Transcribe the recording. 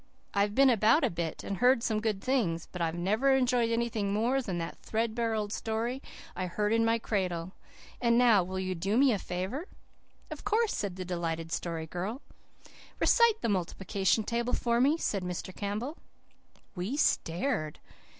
I've been about a bit, and heard some good things, but I've never enjoyed anything more than that threadbare old story I heard in my cradle. And now, will you do me a favour?" "Of course," said the delighted Story Girl. "Recite the multiplication table for me," said Mr. Campbell. We stared.